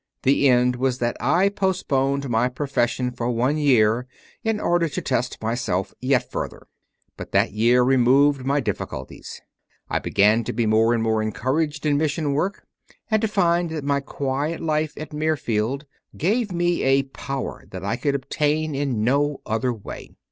The end was that I postponed my profession for one year, in order to test myself yet further. But that year removed my difficulties. I began to be more and more encouraged in mission work and "to 68 CONFESSIONS OF A CONVERT find that my quiet life at Mirfield gave me a power that I could obtain in no other way.